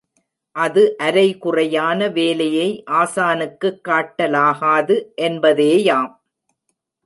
அது, அரைகுறையான வேலையை ஆசானுக்குக் காட்டலாகாது என்பதேயாம்.